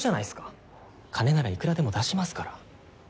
金ならいくらでも出しますから。